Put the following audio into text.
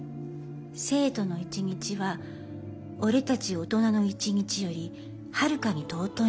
生徒の一日は俺たち大人の一日より遥かに尊いんだって。